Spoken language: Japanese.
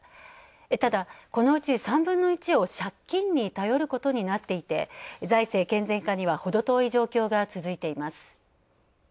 ただ、このうち３分の１を借金に頼ることになっていて財政健全化には程遠い状況が続いています。